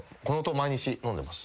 毎日飲んでます。